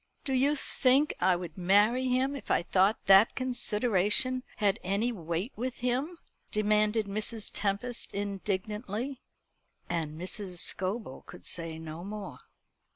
"Do you think I would marry him if I thought that consideration had any weight with him?" demanded Mrs. Tempest indignantly. And Mrs. Scobel could say no more.